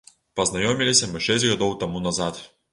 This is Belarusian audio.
Пазнаёміліся мы шэсць гадоў таму назад.